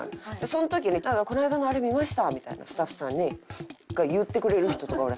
その時に「この間のあれ見ました」みたいなんスタッフさんが言ってくれる人とかおるやん。